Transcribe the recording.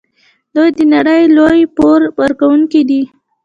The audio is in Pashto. دوی د نړۍ لوی پور ورکوونکي دي.